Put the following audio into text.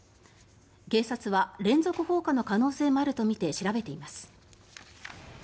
警察は連続放火の可能性もあるとみて調べています。